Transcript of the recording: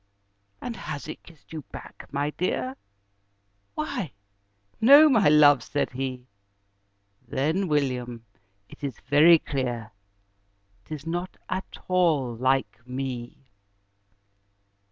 "And has it kissed you back, my dear?" "Why no my love," said he. "Then, William, it is very clear 'Tis not at all LIKE ME!"